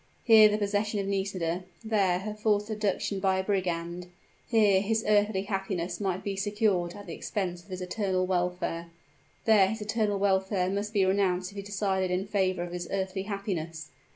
Here the possession of Nisida there her forced abduction by a brigand; here his earthly happiness might be secured at the expense of his eternal welfare there his eternal welfare must be renounced if he decided in favor of his earthly happiness.